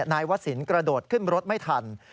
นายวศิลป์กระโดดขึ้นรถไม่ทัน